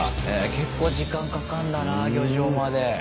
結構時間かかんだな漁場まで。